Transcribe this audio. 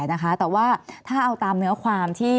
แต่ว่าถ้าเอาตามเนื้อความที่